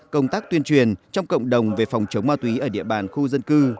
công tác tuyên truyền trong cộng đồng về phòng chống ma túy ở địa bàn khu dân cư